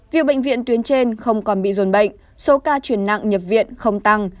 việc bệnh viện tuyến trên không còn bị dồn bệnh số ca chuyển nặng nhập viện không tăng